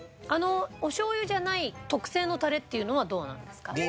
あのお醤油じゃない特製のタレっていうのはどうなんですか？